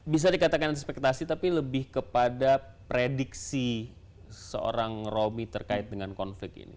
bisa dikatakan ekspektasi tapi lebih kepada prediksi seorang romi terkait dengan konflik ini